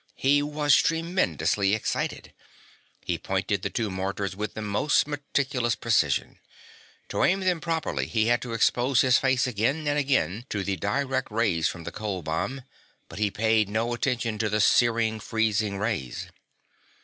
He was tremendously excited. He pointed the two mortars with the most meticulous precision. To aim them properly he had to expose his face again and again to the direct rays from the cold bomb, but he paid no attention to the searing, freezing rays.